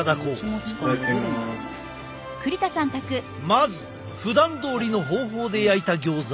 まずふだんどおりの方法で焼いたギョーザ。